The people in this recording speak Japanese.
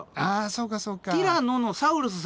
そうかそうか。